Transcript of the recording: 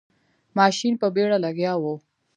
ماشین په بیړه لګیا و.